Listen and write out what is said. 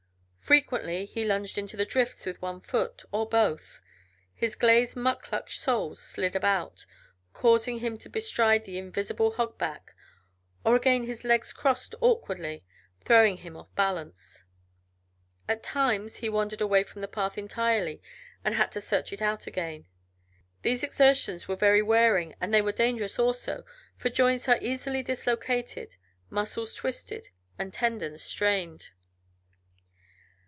Frequently he lunged into the drifts with one foot, or both; his glazed mukluk soles slid about, causing him to bestride the invisible hogback, or again his legs crossed awkwardly, throwing him off his balance. At times he wandered away from the path entirely and had to search it out again. These exertions were very wearing and they were dangerous, also, for joints are easily dislocated, muscles twisted, and tendons strained.